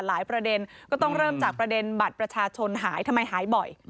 ประเด็นก็ต้องเริ่มจากประเด็นบัตรประชาชนหายทำไมหายบ่อย